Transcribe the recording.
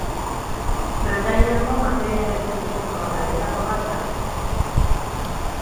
Bretainiako materiaren funtsezko lanetako bat da.